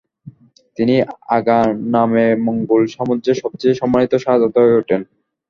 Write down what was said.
তিনি "আগা" নামে মঙ্গোল সাম্রাজ্যের সবচেয়ে সম্মানিত শাহজাদা হয়ে উঠেন।